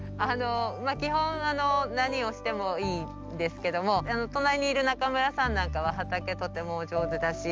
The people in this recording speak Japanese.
基本何をしてもいいんですけども隣にいる中村さんなんかは畑とてもお上手だし。